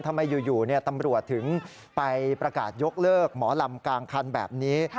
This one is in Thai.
ทำไมอยู่ตำรวจถึงไปประกาศยกเลิกหมอลำกลางคันแบบนี้